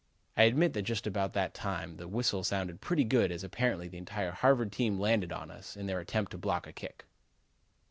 I admit that just about that time the whistle sounded pretty good as apparently the entire Harvard team landed on us in their attempt to block a kick."